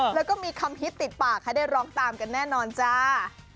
แล้วก็มีคำฮิตติดปากให้ได้ร้องตามกันแน่นอนจ้า